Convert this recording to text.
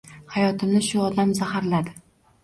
Hayotimni shu odam zaharladi